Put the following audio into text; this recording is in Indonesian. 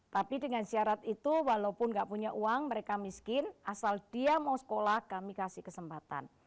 tapi dengan syarat itu walaupun nggak punya uang mereka miskin asal dia mau sekolah kami kasih kesempatan